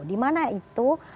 di mana itu